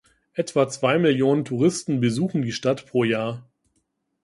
Etwa zwei Millionen Touristen besuchen die Stadt pro Jahr.